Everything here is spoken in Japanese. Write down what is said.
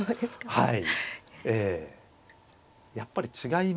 はい。